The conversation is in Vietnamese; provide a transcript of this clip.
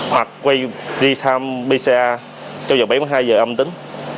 hoặc quay đi thăm pcr trong bảy mươi hai giờ âm tính